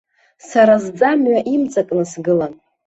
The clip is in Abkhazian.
Сара сӡамҩа имҵакны сгылан.